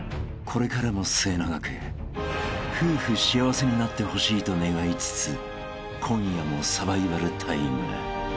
［これからも末永く夫婦幸せになってほしいと願いつつ今夜もサバイバルタイム］